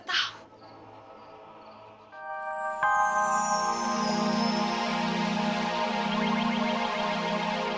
bagaimana dia bisa tahu